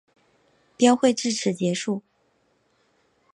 标会至此结束。